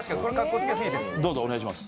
どうぞ、お願いします。